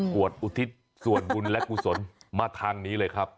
วดอุทิศส่วนบุญและกุศลมาทางนี้เลยครับ